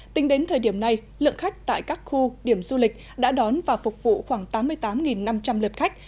tính đến thời điểm này lượng khách tại các khu điểm du lịch đã đón và phục vụ khoảng tám mươi tám năm trăm linh lượt khách